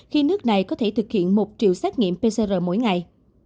khi nước này có thể thực hiện một triệu xét nghiệm pcr mỗi ngày